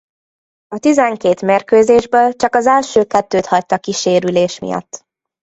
A tizenkét mérkőzésből csak az első kettőt hagyta ki sérülés miatt.